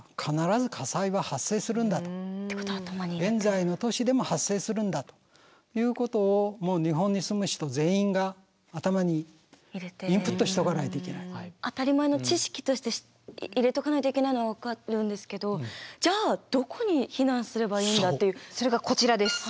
現在の都市でも発生するんだということをもう日本に住む人全員が当たり前の知識として入れとかないといけないのは分かるんですけどじゃあそれがこちらです。